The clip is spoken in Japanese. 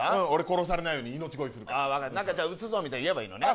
殺されないように命乞いするから分かった「撃つぞ」みたいに言えばいいのね